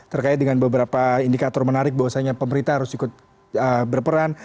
terkait dengan beberapa indikator menarik bahwasannya pemerintah harus ikut berperan